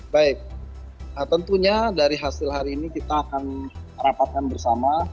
baik tentunya dari hasil hari ini kita akan rapatkan bersama